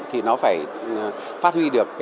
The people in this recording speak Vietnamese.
thì nó phải phát huy được